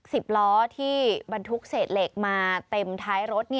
สิบล้อที่บรรทุกเศษเหล็กมาเต็มท้ายรถ